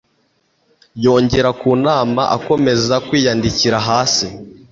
Yongera kunama akomeza kwiyandikira hasi.